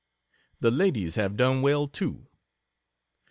The ladies have done well, too.